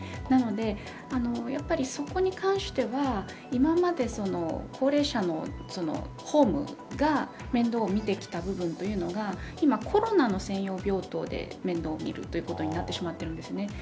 なので、やはりそこに関しては今まで高齢者のホームが面倒を見てきた部分というのが今、コロナの専用病棟で面倒をみることになってしまってるんですね。